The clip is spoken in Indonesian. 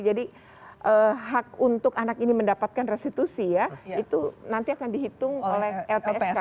jadi hak untuk anak ini mendapatkan restitusi ya itu nanti akan dihitung oleh lpsk